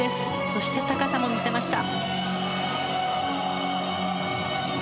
そして高さも見せました。